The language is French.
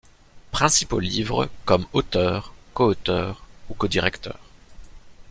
Principaux livres, comme auteur, coauteur, ou codirecteur.